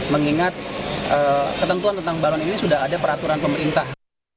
mengingat ketentuan tentang baron ini sudah ada peraturan pemerintah